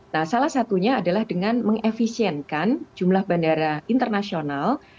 nah salah satunya adalah dengan mengefisienkan jumlah bandara internasional